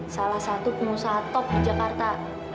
salah satu pengusaha top di jakarta